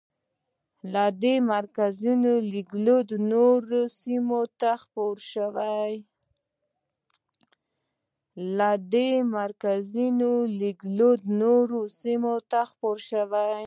له دې مرکزونو لیکدود نورو سیمو ته خپور شو.